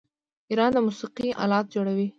ایران د موسیقۍ الات جوړوي.